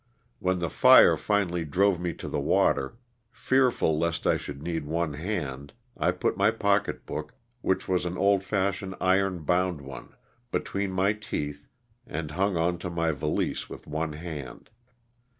When the fire finally drove me to the water, fearful lest I should need one hand, I put my pocket book, which was an old fashioned iron bound one between my teeth and hung on to my valise with one hand.